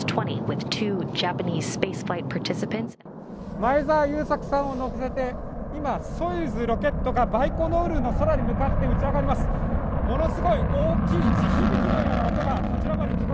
前澤友作さんを乗せて、今はソユーズロケットがバイコヌールの空に向かって打ち上がります。